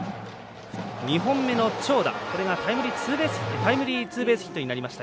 ２本目の長打、これがタイムリーツーベースヒットになりました。